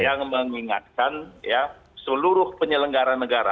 yang mengingatkan ya seluruh penyelenggaran negara